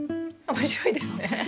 面白いですね